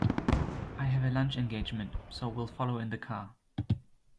I have a lunch engagement, so will follow in the car.